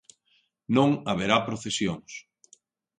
Non haberá procesións.